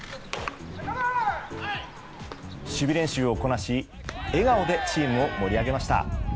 守備練習をこなし笑顔でチームを盛り上げました。